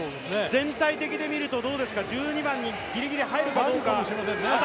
全体的で見ると１２番にぎりぎり入るかどうか。